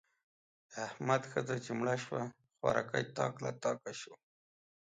د احمد ښځه چې مړه شوه؛ خوارکی تاک له تاکه شو.